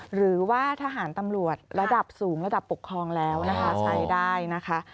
หรือว่าทหารตำรวจระดับสูงระดับปกครองแล้วนะคะใช้ได้นะคะ